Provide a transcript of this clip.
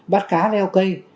bắt cá leo cây